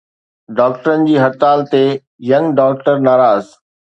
ڊاڪٽرن جي هڙتال تي ”ينگ ڊاڪٽر“ ناراض.